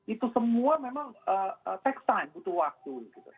itu semua memang tax time butuh waktu